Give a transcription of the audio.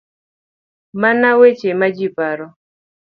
Mana weche ma ji paro.